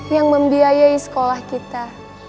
yang membiayai sekolah kita